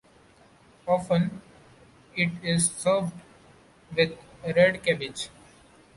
Often it is served with red cabbage.